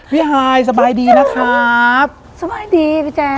ฮายสบายดีนะครับสบายดีพี่แจ๊